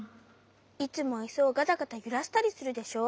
いつもイスをガタガタゆらしたりするでしょ？